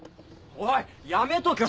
おいやめとけよ